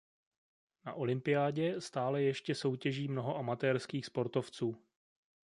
Na Olympiádě stále ještě soutěží mnoho amatérských sportovců.